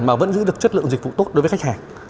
mà vẫn giữ được chất lượng dịch vụ tốt đối với khách hàng